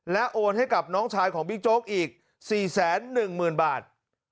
โอนให้กับน้องชายของบิ๊กโจ๊กอีก๔๑๐๐๐บาท